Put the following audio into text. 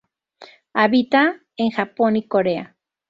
Habita en Japón y Corea.